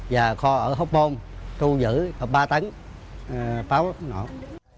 và kho ở hóc bôn trung giữ và ba tấn pháo lậu